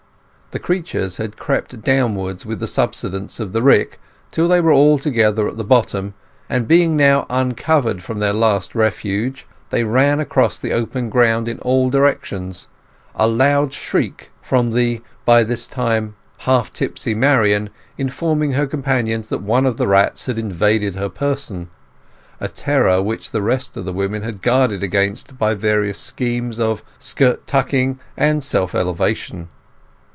The creatures had crept downwards with the subsidence of the rick till they were all together at the bottom, and being now uncovered from their last refuge, they ran across the open ground in all directions, a loud shriek from the by this time half tipsy Marian informing her companions that one of the rats had invaded her person—a terror which the rest of the women had guarded against by various schemes of skirt tucking and self elevation.